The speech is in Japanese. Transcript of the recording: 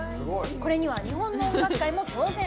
これには日本の音楽界も騒然。